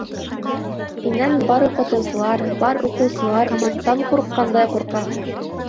Һинән бар уҡытыусылар, бар уҡыусылар уттан ҡурҡҡандай ҡурҡа.